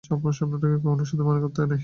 স্বপ্নটাকে কখনো সত্যি মনে করতে নেই।